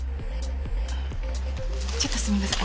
ちょっとすみません。